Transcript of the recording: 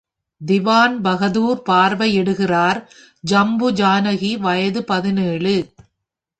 திவான்பகதூர் பார்வையிடுகிறார் ஜம்பு ஜானகி, வயது பதினேழு .